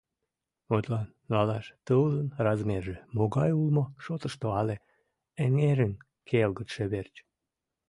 Мутлан, налаш тылзын размерже могай улмо шотышто але эҥерын келгытше верч.